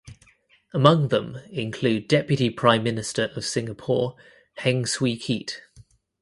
Among them include Deputy Prime Minister of Singapore Heng Swee Keat.